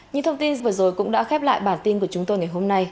những thông tin vừa rồi cũng đã khép lại bản tin của chúng tôi ngày hôm nay